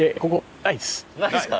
ないですか？